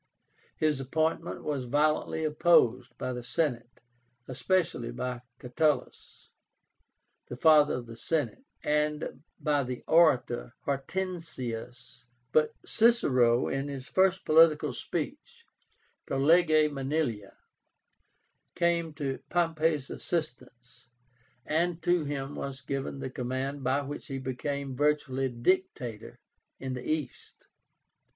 His appointment was violently opposed by the Senate, especially by CATULUS, the "father of the Senate," and by the orator HORTENSIUS; but CICERO with his first political speech (Pro Lege Manilia) came to Pompey's assistance, and to him was given the command by which he became virtually dictator in the East.